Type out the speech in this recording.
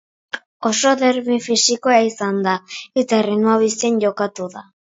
Oso derbi fisikoa izan da eta erritmo bizian jokatu da.